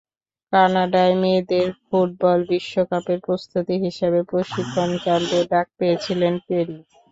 কানাডায় মেয়েদের ফুটবল বিশ্বকাপের প্রস্তুতি হিসেবে প্রশিক্ষণ ক্যাম্পে ডাক পেয়েছিলেন পেরি।